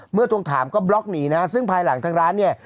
เมื่อต้องถามก็บล็อกหนีนะฮะซึ่งภายหลังทั้งร้านเนี้ย